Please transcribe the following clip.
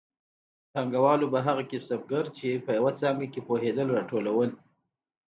پانګوالو به هغه کسبګر چې په یوه څانګه کې پوهېدل راټولول